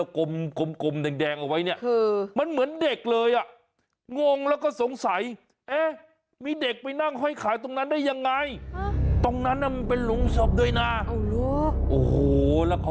คือค่ะค่ะคือค่ะ